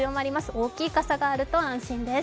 大きい傘があると安心です。